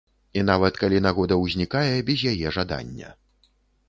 І нават калі нагода ўзнікае без яе жадання.